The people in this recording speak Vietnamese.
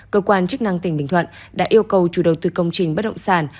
cơ quan chức năng tỉnh bình thuận đã yêu cầu chủ đầu tư công trình bất động sản